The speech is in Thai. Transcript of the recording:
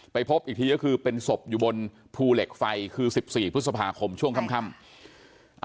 พบอีกทีก็คือเป็นศพอยู่บนภูเหล็กไฟคือ๑๔พฤษภาคมช่วงค่ำ